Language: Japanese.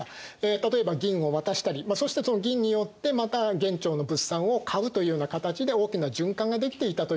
例えば銀を渡したりそしてその銀によってまた元朝の物産を買うというような形で大きな循環ができていたということになりますね。